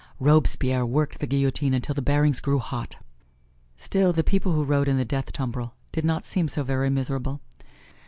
Robespierre worked the guillotine until the bearings grew hot. Still, the people who rode in the death tumbrel did not seem so very miserable.